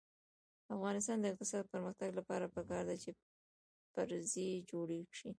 د افغانستان د اقتصادي پرمختګ لپاره پکار ده چې پرزې جوړې شي.